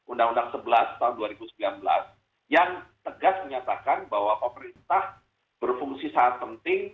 undang undang sebelas tahun dua ribu sembilan belas yang tegas menyatakan bahwa pemerintah berfungsi sangat penting